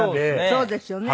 そうですよね。